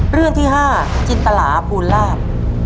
เรื่องที่ห้าจินตะหลาภูมิลาภ